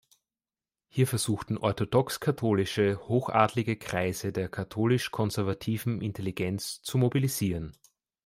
Hier versuchten orthodox-katholische hochadlige Kreise der katholisch-konservativen Intelligenz zu mobilisieren.